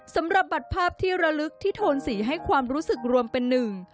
สำหรับบัตรภาพที่ระลึกที่โทนสีให้ความรู้สึกรวมเป็นหนึ่ง